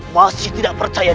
masih tidak percaya